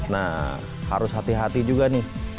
nah harus hati hati juga nih